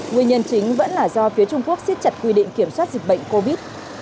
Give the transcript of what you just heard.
nguyên nhân chính vẫn là do phía trung quốc siết chặt quy định kiểm soát dịch bệnh covid